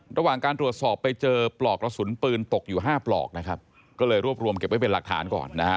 ระหว่างการตรวจสอบไปเจอปลอกกระสุนปืนตกอยู่ห้าปลอกนะครับก็เลยรวบรวมเก็บไว้เป็นหลักฐานก่อนนะฮะ